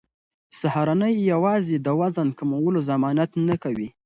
سهارنۍ یوازې د وزن کمولو ضمانت نه کوي.